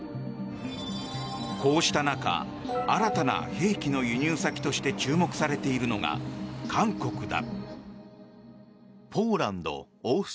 こうした中新たな兵器の輸入先として注目されているのが韓国だ。